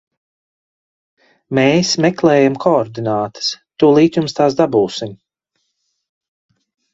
Mēs meklējam koordinātas, tūlīt jums tās dabūsim.